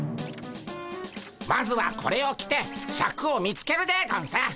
まずはこれを着てシャクを見つけるでゴンス。